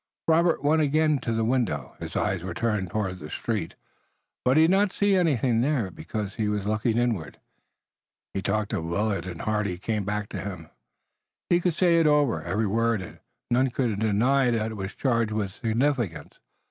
Robert went again to the window. His eyes were turned toward the street, but he did not see anything there, because he was looking inward. The talk of Willet and Hardy came back to him. He could say it over, every word, and none could deny that it was charged with significance.